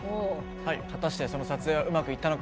果たしてその撮影はうまくいったのか。